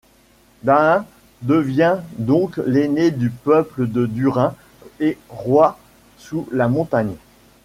Dáin devient donc l'aîné du peuple de Dúrin et Roi sous la Montagne.